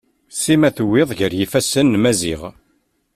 Sima tewwid iḍ gar yifasen n Maziɣ.